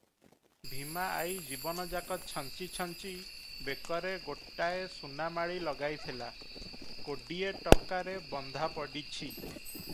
ଭୀମା ଆଈ ଜୀବନଯାକ ଛଞ୍ଚି ଛଞ୍ଚି ବେକରେ ଗୋଟାଏ ସୁନାମାଳୀ ଲଗାଇଥିଲା, କୋଡିଏ ଟଙ୍କାରେ ବନ୍ଧା ପଡିଛି ।